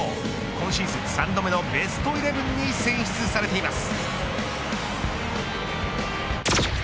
今シーズン３度目のベストイレブンに選出されています。